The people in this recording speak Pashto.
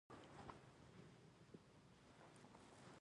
د ګډوډیو مخه یې نیولې ده.